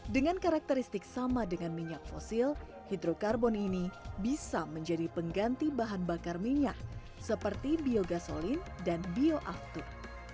dengan karakteristik sama dengan minyak fosil hidrokarbon ini bisa menjadi pengganti bahan bakar minyak seperti biogasolin dan bioaftur